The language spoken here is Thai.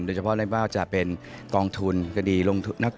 โดยเฉพาะได้ว่าจะเป็นกองทุนกดีลองธุ